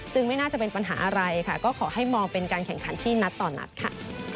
ซึ่งไม่น่าจะเป็นปัญหาอะไรค่ะก็ขอให้มองเป็นการแข่งขันที่นัดต่อนัดค่ะ